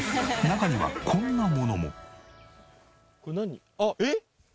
中にはこんなものも。